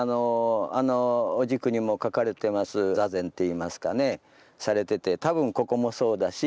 あのお軸にも描かれてます坐禅っていいますかねされてて多分ここもそうだし